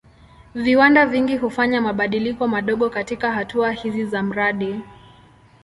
Viwanda vingi hufanya mabadiliko madogo katika hatua hizi za mradi.